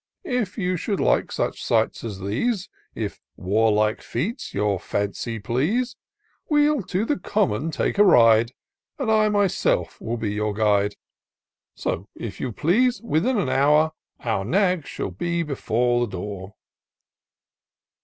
If you should like such sights as these, — If Warlike feats your fency please. We'll to the common take a ride. And I myself will be your guide : So, if you please, within an hour Our nags shall be before the door."